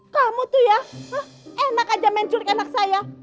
kamu tuh ya enak aja main curig anak saya